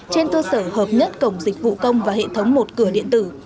trên cơ sở hợp nhất cổng dịch vụ công và hệ thống một cửa điện tử